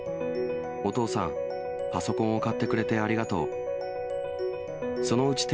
お父さん、パソコンを買ってくれてありがとう。